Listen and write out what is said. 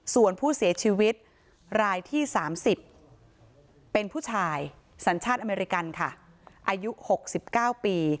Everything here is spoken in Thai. ส่วนผู้เสียชีวิตรายที่๓๐เป็นผู้ชายสัญชาติอเมริกันค่ะอายุ๖๙ปี